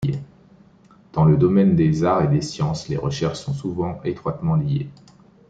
Dans le domaine des arts et des sciences, les recherches sont souvent étroitement liées.